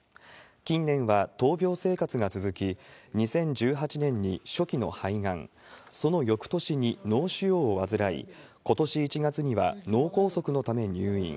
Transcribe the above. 近年は闘病生活が続き、２０１８年に初期の肺がん、その翌年に脳しゅようを患い、ことし１月には脳梗塞のため入院。